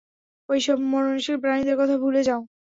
ঐসব মরনশীল প্রাণীদের কথা ভুলে যাও।